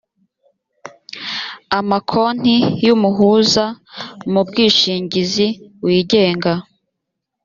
amakonti y umuhuza mu bwishingizi wigenga